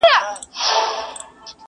جهاني غزل دي نوی شرنګ اخیستی!!